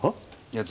いや。